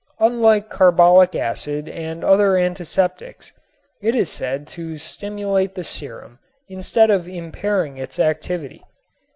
Unlike carbolic acid and other antiseptics it is said to stimulate the serum instead of impairing its activity.